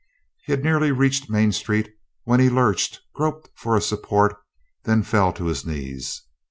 He had nearly reached Main Street when he lurched, groped for a support, then fell to his knees.